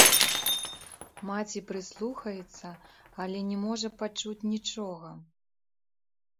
Маці прыслухаецца, але не можа пачуць нічога.